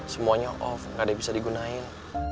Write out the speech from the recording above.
semuanya off gak ada yang bisa digunain